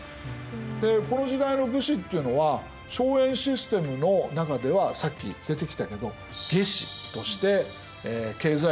でこの時代の武士っていうのは荘園システムの中ではさっき出てきたけど下司として経済力を蓄えていった。